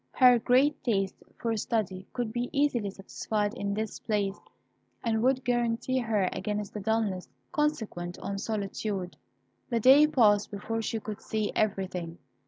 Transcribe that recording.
Her great taste for study could easily be satisfied in this place, and would guarantee her against the dulness consequent on solitude. The day passed before she could see everything.